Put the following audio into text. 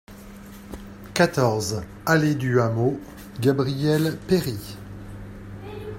quatorze allée du Hameau Gabriel Péri